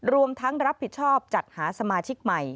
รวมทั้งรับผิดชอบจัดหาสมาชิกใหม่